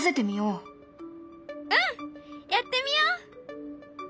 うんやってみよう！